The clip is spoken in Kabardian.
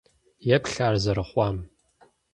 Еплъ ар зэрыхъуам!